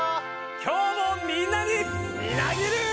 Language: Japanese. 今日もみんなにみなぎる。